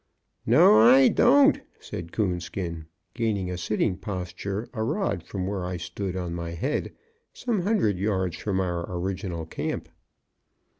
"No, I don't," said Coonskin, gaining a sitting posture a rod from where I stood on my head, some hundred yards from our original camp.